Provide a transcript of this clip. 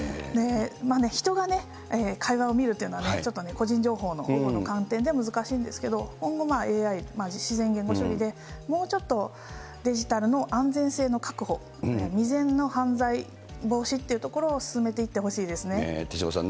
人が会話を見るというのはね、ちょっと個人情報の保護の観点で難しいんですけど、今後、ＡＩ、自然言語処理で、もうちょっとデジタルの安全性の確保、未然の犯罪防止っていうところを進めていってほしいですね。